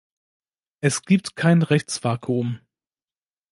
Es gibt kein Rechtsvakuum.